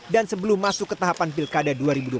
dan sebelum masuk ke tahapan pilkada dua ribu dua puluh empat